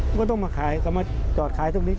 มันก็ต้องมาขายก็มาจอดขายตรงนี้